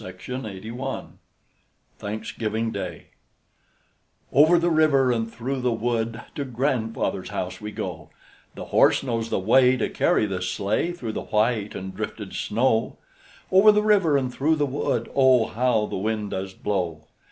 UNKNOWN THANKSGIVING DAY Over the river and through the wood, To grandfather's house we go; The horse knows the way To carry the sleigh Through the white and drifted snow. Over the river and through the wood Oh, how the wind does blow!